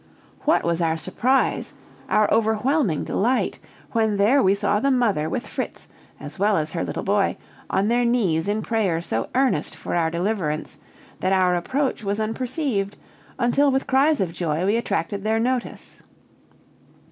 What was our surprise our overwhelming delight when there we saw the mother with Fritz, as well as her little boy, on their knees in prayer so earnest for our deliverance, that our approach was unperceived, until with cries of joy we attracted their notice.